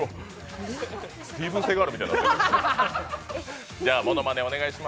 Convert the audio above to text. スティーブン・セガールみたいになってる。